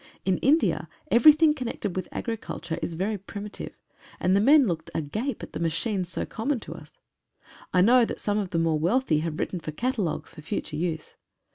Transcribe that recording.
In India 1 everything connected with agriculture is very primitive, and the men looked agape at the machines so common to us. I know that some of the more wealthy have written for catalogues for future use.